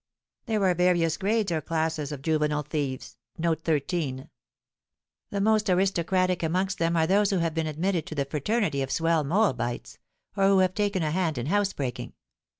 "There are various grades, or classes, of juvenile thieves. The most aristocratic amongst them are those who have been admitted into the fraternity of swell moabites, or who have taken a hand in housebreaking.